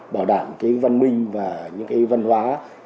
bảo đảm cái văn minh và những cái văn hóa